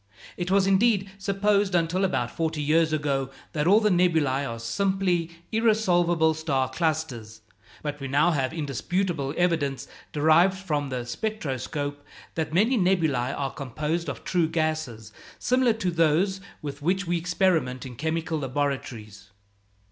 It was, indeed, supposed, until about forty years ago, that all the nebulæ are simply irresolvable star clusters; but we now have indisputable evidence, derived from the spectroscope, that many nebulæ are composed of true gases, similar to those with which we experiment in chemical laboratories.